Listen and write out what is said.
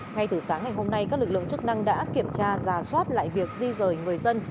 ngay từ sáng ngày hôm nay các lực lượng chức năng đã kiểm tra giả soát lại việc di rời người dân